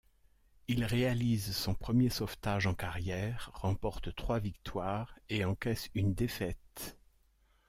Il réalise son premier sauvetage en carrière, remporte trois victoires et encaisse une défaite.